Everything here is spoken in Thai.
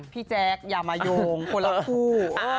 พี่แจ๊กอย่ามาโยงคนละครู